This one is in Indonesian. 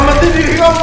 semua negara juga unter